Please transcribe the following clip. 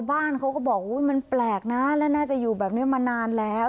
บ้านเขาก็บอกมันแปลกนะและน่าจะอยู่แบบนี้มานานแล้ว